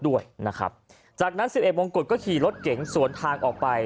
ด้วยนะครับจากนั้นสิบเอ็มงกุฎก็ขี่รถเก๋งสวนทางออกไป